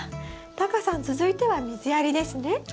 タカさん続いては水やりですね？